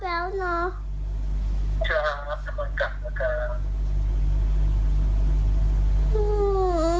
จ้าชอบก่อนกลับแล้วกัน